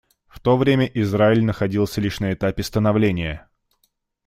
В то время Израиль находился лишь на этапе становления.